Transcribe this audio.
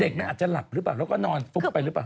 เด็กน่าจะหลับหรือเปล่านอดภูมิไปหรือเปล่า